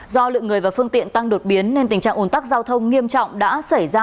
do lượng người và phương tiện tăng đột biến nên tình trạng ồn tắc giao thông nghiêm trọng đã xảy ra